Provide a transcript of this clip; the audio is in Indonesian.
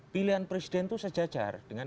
pilihan presiden itu sejajar dengan